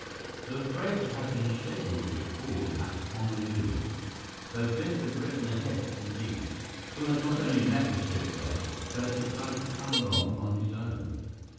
The freighter had been scheduled to call at Honolulu, so Biff had written ahead to Li, who had not only met the ship there, but had decided to come along on his own.